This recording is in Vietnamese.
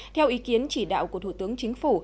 theo ý kiến chỉ đạo của thủ tướng chính phủ